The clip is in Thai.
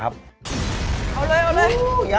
เอาเลย